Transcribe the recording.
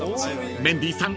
［メンディーさん